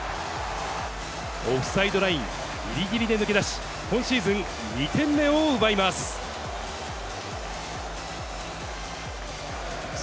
オフサイドラインぎりぎりで抜け出し、今シーズン２点目を奪います。